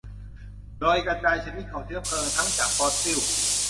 โดยกระจายชนิดของเชื้อเพลิงทั้งจากฟอสซิล